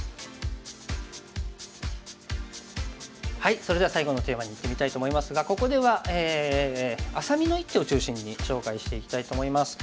それでは最後のテーマにいってみたいと思いますがここではあさみの一手を中心に紹介していきたいと思います。